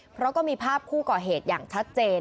เพราะก็มีภาพคู่ก่อเหตุอย่างชัดเจน